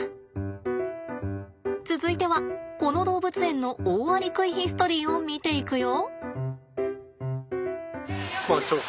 続いてはこの動物園のオオアリクイヒストリーを見ていくよ。